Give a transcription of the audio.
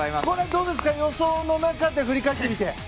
どうですか、予想の中で振り返ってみて。